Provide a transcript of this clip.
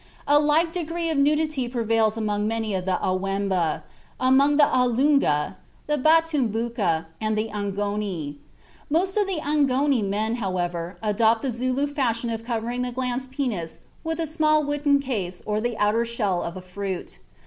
A like degree of nudity prevails among many of the Awemba, among the A lungu, the Batumbuka, and the Angoni. Most of the Angoni men, however, adopt the Zulu fashion of covering the glans penis with a small wooden case or the outer shell of a fruit.